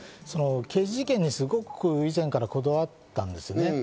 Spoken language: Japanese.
刑事事件に以前からこだわったんですね。